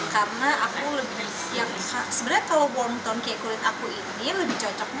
karena aku lebih siap sebenernya kalau warm tone kayak kulit aku ini lebih cocoknya agak coklat warm gitu ya